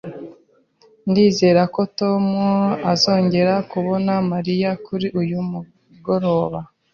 Ndizera ko Tom azongera kubona Mariya kuri uyu mugoroba